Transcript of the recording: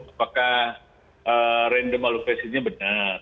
apakah random alufascinnya benar